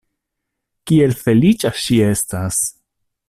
Kiel feliĉa ŝi estas!